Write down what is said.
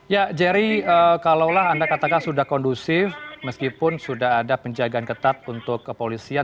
ya jerry kalaulah anda katakan sudah kondusif meskipun sudah ada penjagaan ketat untuk kepolisian